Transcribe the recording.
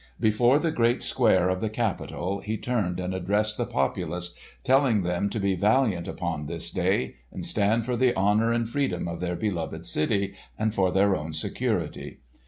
Before the great square of the Capitol he turned and addressed the populace telling them to be valiant upon this day and stand for the honour and freedom of their beloved city and for their own security.